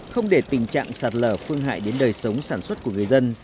không để tình trạng sạt lở phương hại đến đời sống sản xuất của người dân